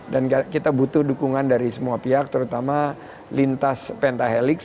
dan kita butuh dukungan dari semua pihak terutama lintas pentahelix